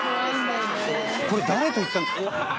これ誰と行ったの？